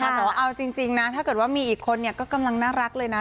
แต่ว่าเอาจริงนะถ้าเกิดว่ามีอีกคนก็กำลังน่ารักเลยนะ